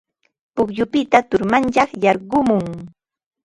Pukyupita turmanyay yarqumun.